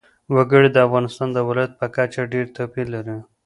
وګړي د افغانستان د ولایاتو په کچه ډېر توپیر لري.